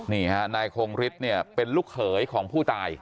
นี่ฮะนายคงฤทธิ์เนี่ยเป็นลูกเขยของผู้ตาย